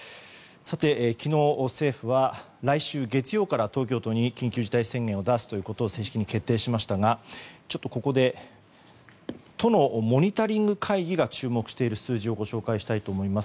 昨日、政府は来週月曜日から東京都に緊急事態宣言を出すことを正式に決定しましたがここで都のモニタリング会議が注目している数字を紹介したいと思います。